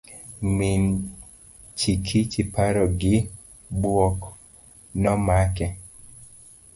Min Chikichi paro gi buok nomake.